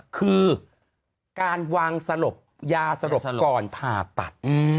คือการวางสลบยาสลบก่อนผ่าตัด